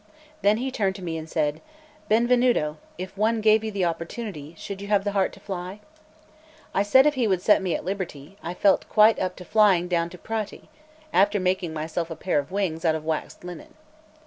Then he turned to me and said: "Benvenuto, if one gave you the opportunity, should you have the heart to fly?" I said if he would set me at liberty, I felt quite up to flying down to Prati, after making myself a pair of wings out of waxed linen.